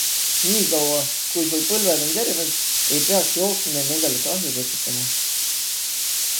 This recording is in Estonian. Nii kaua, kui su põlved on terved, ei peaks jooksmine nendele kahju tekitama.